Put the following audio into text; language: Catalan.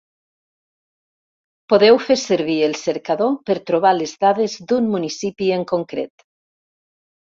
Podeu fer servir el cercador per trobar les dades d’un municipi en concret.